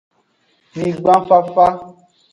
Nyigban fafa.